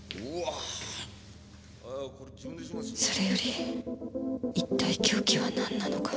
それより一体凶器はなんなのか